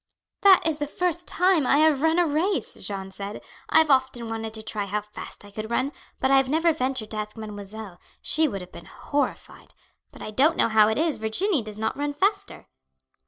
"That is the first time I have run a race," Jeanne said. "I have often wanted to try how fast I could run, but I have never ventured to ask mademoiselle; she would have been horrified; but I don't know how it is Virginie does not run faster."